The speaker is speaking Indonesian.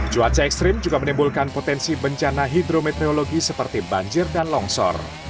cuaca ekstrim juga menimbulkan potensi bencana hidrometeorologi seperti banjir dan longsor